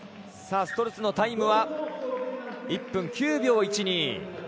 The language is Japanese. ストルツのタイムは１分９秒１２。